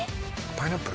パイナップル？